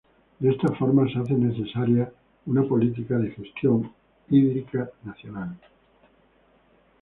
De esta forma, se hace necesaria una política de gestión hídrica nacional.